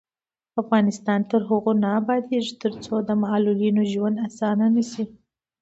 افغانستان تر هغو نه ابادیږي، ترڅو د معلولینو ژوند اسانه نشي.